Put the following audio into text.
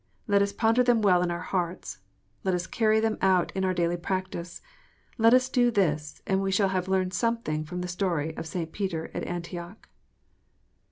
Let us ponder them well in our hearts. Let us carry them out in our daily practice. Let us do this, and we shall have learned something from the story of St. Peter at Antioch.